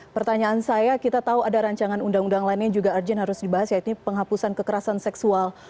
pertanyaan saya kita tahu ada rancangan undang undang lainnya yang juga urgent harus dibahas yaitu penghapusan kekerasan seksual